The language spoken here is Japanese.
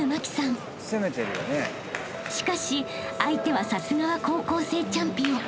［しかし相手はさすがは高校生チャンピオン］